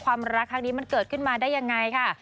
ความรักครั้งนี้มันเกิดขึ้นมาได้ยังไงค่ะ